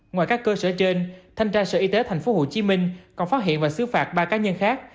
ngoài các cơ sở trên thanh tra sở y tế tp hcm còn phát hiện và xứ phạt ba cá nhân khác